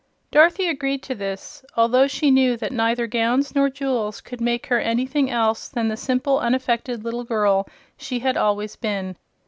Dorothy agreed to this, although she knew that neither gowns nor jewels could make her anything else than the simple, unaffected little girl she had always been.